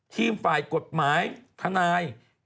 ทีมฝ่ายกฎหมายทนาย